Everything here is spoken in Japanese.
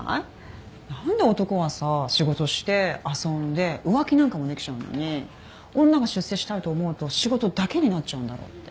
何で男はさ仕事して遊んで浮気なんかもできちゃうのに女が出世したいと思うと仕事だけになっちゃうんだろうって。